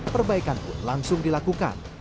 perbaikan pun langsung dilakukan